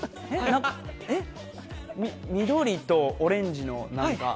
緑とオレンジの何か。